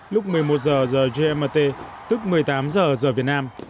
lúc một mươi một h gmt tức một mươi tám h giờ việt nam